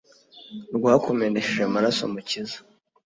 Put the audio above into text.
rwakumenesheje amaraso, mukiza